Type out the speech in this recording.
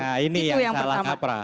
nah ini yang salah kaprah